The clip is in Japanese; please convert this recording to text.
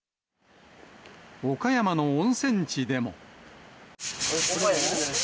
岡山の温泉地でも。